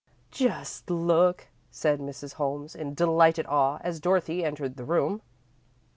"Just look," said Mrs. Holmes, in delighted awe, as Dorothy entered the room.